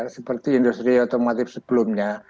seperti industri otomotif sebelumnya